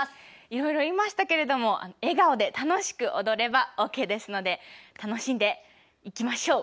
いろいろ言いましたけども笑顔で楽しく踊ればＯＫですので楽しんでいきましょう。